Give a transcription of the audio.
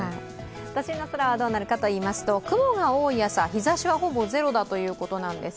都心の空はどうなるかといいますと、雲が多い朝、日ざしはほぼゼロだということです。